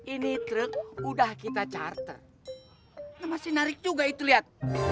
ini truk udah kita charter masih narik juga itu lihat